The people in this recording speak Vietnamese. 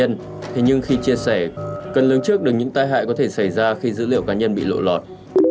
nhưng khi chia sẻ cần lướng trước đừng những tai hại có thể xảy ra khi dữ liệu cá nhân bị lộ lọt